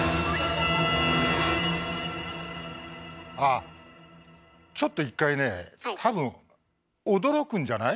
ああちょっと一回ね多分驚くんじゃない？